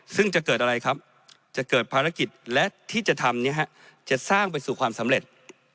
ซึ่งจะเกิดอะไรครับจะเกิดภารกิจและที่จะทำจะสร้างไปสู่ความสำเร็จ